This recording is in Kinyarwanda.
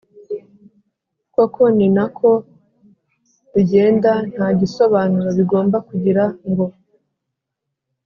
kokoni na ko bigenda nta gisobanuro bigomba kugira ngo